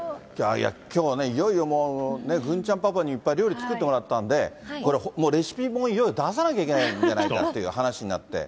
きょうはね、いよいよもう郡ちゃんパパにいっぱい料理作ってもらったんで、これ、レシピ本、いよいよ出さなきゃいけないっていう話になって。